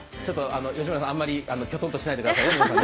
吉村さん、あんまりきょとんとしないでくださいね。